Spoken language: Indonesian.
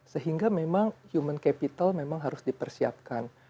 sehingga memang human capital memang harus dipersiapkan